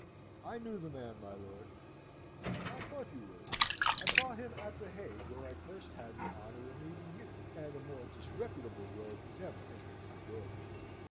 I knew the man, my lord." "I thought you would. I saw him at the Hague, where I first had the honour of meeting you, and a more disreputable rogue never entered my doors.